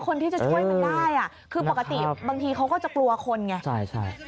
คนที่จะช่วยมันได้คือปกติบางทีเขาก็จะกลัวคนไง